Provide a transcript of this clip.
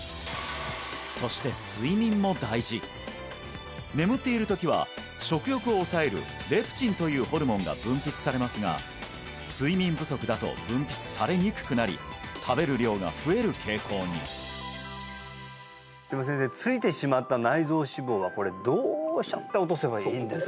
そして睡眠も大事眠っているときは食欲を抑えるレプチンというホルモンが分泌されますが睡眠不足だと分泌されにくくなり食べる量が増える傾向にでも先生ついてしまった内臓脂肪はどうしちゃって落とせばいいんですか？